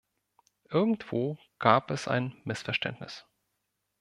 Irgendwo gab es ein Missverständnis.